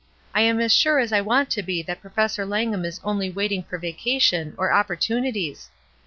I am as sure as I want to be that Professor Langham is only waiting for vacation, or opportunities.